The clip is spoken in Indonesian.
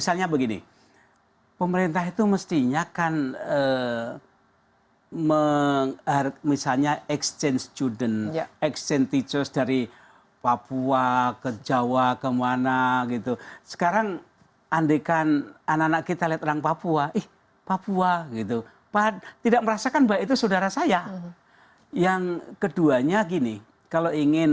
saya sadar seperti ini